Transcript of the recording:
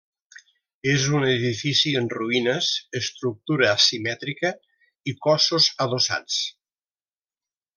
És un edifici en ruïnes, estructura asimètrica i cossos adossats.